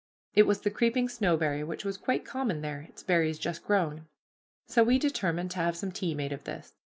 It was the creeping snowberry, which was quite common there, its berries just grown. So we determined to have some tea made of this.